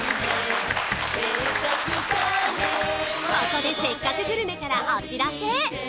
ここで「せっかくグルメ！！」からお知らせ